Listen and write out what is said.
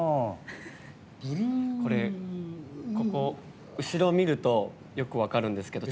これ、ここ後ろを見るとよく分かるんですけど。